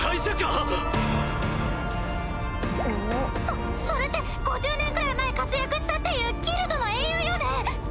そそれって５０年くらい前活躍したっていうギルドの英雄よね？